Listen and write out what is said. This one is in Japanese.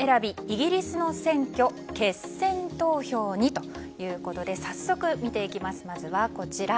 イギリスの選挙決選投票にということで早速、見ていきます。